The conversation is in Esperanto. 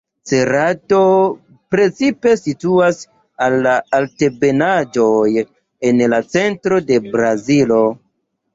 Cerado precipe situas en la altebenaĵoj en la centro de Brazilo.